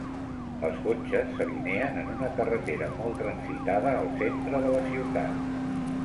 Els cotxes s'alineen en una carretera molt transitada al centre de la ciutat.